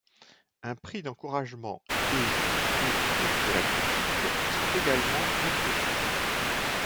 Un prix d'encouragement et et prix de la critique sont également introduits.